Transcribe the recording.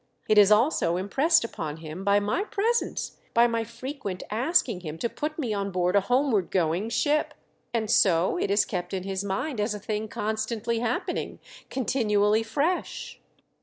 It is also impressed upon him by my presence, by my frequent asking him to put me on board a homeward going ship, and so it is kept in his mind as a thing constantly happening — continually fresh."